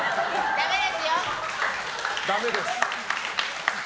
ダメですよ！